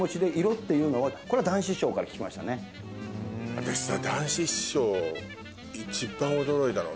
私さ。